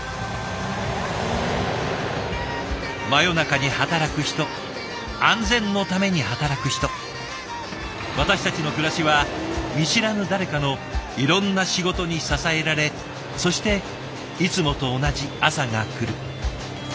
真夜中に働く人安全のために働く人私たちの暮らしは見知らぬ誰かのいろんな仕事に支えられそしていつもと同じ朝が来る。